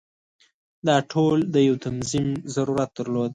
دا ټول د یو تنظیم ضرورت درلود.